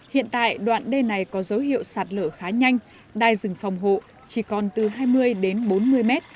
hiện tại đoạn đê này có dấu hiệu sạt lở khá nhanh đai rừng phòng hộ chỉ còn từ hai mươi đến bốn mươi mét